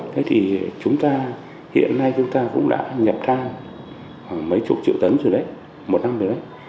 thế thì chúng ta hiện nay chúng ta cũng đã nhập cao khoảng mấy chục triệu tấn rồi đấy một năm rồi đấy